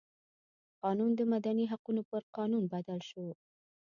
قانون د مدني حقونو پر قانون بدل شو.